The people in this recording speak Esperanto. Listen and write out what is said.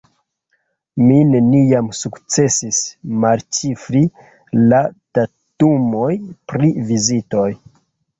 Mi neniam sukcesis malĉifri la datumojn pri vizitoj.